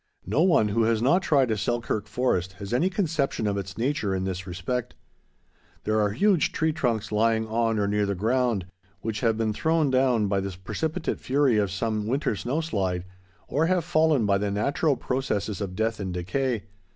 No one who has not tried a Selkirk forest has any conception of its nature in this respect. There are huge tree trunks lying on or near the ground, which have been thrown down by the precipitate fury of some winter snow slide, or have fallen by the natural processes of death and decay.